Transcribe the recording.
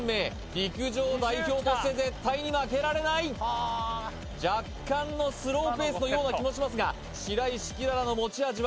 陸上代表として絶対に負けられない若干のスローペースのような気もしますがいいですよああ